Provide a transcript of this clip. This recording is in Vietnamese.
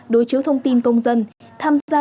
đối chiếu thông tin công dân tham gia